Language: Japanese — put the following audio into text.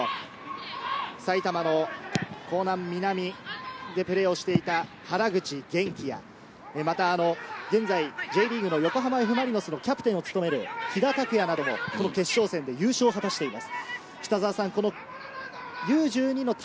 この決勝戦、Ｕ−１２選手権の決勝戦を戦った選手をなかでも埼玉の江南南でプレーをしていた原口元気やまた現在Ｊリーグの横浜Ｆ・マリノスのキャプテンを務める日高拓哉などもこの決勝戦で優勝を果たしています。